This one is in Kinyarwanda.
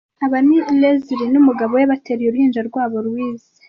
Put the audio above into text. Aba ni Lasley n'umugabo we bateruye uruhinja rwabo Louise.